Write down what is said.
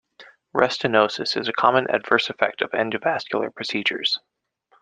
Restenosis is a common adverse event of endovascular procedures.